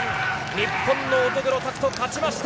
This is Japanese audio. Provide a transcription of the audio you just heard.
日本の乙黒拓斗、勝ちました。